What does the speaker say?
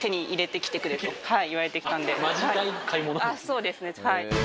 そうですね。